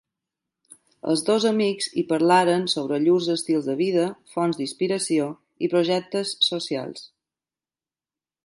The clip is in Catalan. Els dos amics hi parlaren sobre llurs estils de vida, fonts d'inspiració i projectes socials.